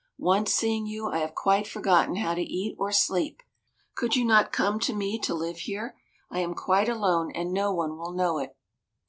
Once seeing you, I have quite forgotten how to eat or sleep. Could you not come to me to live here? I am quite alone and no one will know it."